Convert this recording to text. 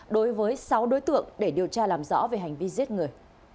đối với sáu đối tượng để điều tra làm rõ về hành vi giết người